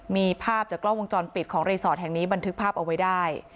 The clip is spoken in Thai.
มีภาพจากกล้องวงจรปิดของรีสอร์ทแห่งนี้บันทึกภาพเอาไว้ได้